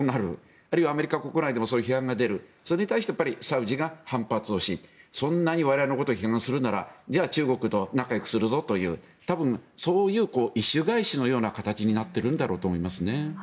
あるいはアメリカ国内でもそういう批判が出るそれに対してサウジが反発をしそんなに我々のことを批判するならじゃあ中国と仲よくするぞという多分、そういう意趣返しのような形になっているんだと思いますね。